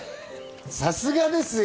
さすがですよ！